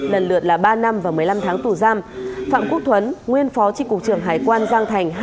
lần lượt là ba năm và một mươi năm tháng tù giam phạm quốc thuấn nguyên phó tri cục trưởng hải quan giang thành